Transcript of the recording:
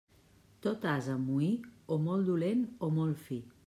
Tot ase moí, o molt dolent o molt fi.